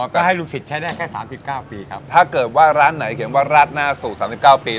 ก็ให้ลูกศิษย์ใช้ได้แค่สามสิบเก้าปีครับถ้าเกิดว่าร้านไหนเขียนว่าราดหน้าสูตร๓๙ปี